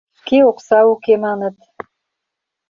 Шке окса уке маныт...